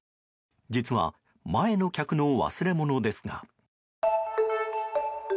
実は前の客の忘れ物ですが。